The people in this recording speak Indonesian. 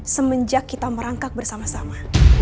semenjak kita merangkak bersama sama